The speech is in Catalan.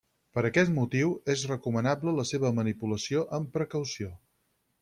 Per aquest motiu és recomanable la seva manipulació amb precaució.